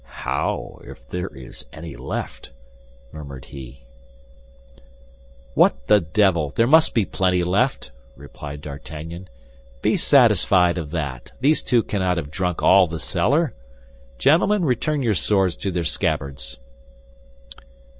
"How! 'If there is any left!'" murmured he. "What the devil! There must be plenty left," replied D'Artagnan. "Be satisfied of that; these two cannot have drunk all the cellar. Gentlemen, return your swords to their scabbards."